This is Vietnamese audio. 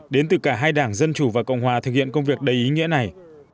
đến từ cả hai đảng dân chủ và cộng hòa thực hiện công việc đầy ý nghĩa này